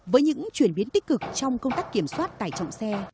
với những chuyển biến tích cực trong công tác kiểm soát tải trọng xe